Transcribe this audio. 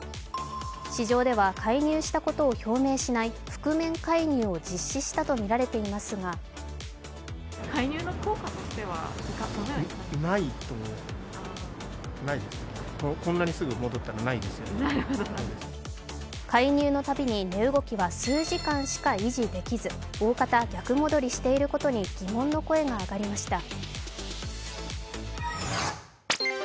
市場では、介入したことを表明しない、覆面介入を実施したとみられていますが介入のたびに値動きは数時間しか維持できず大方、逆戻りしていることに疑問の声が上がりました。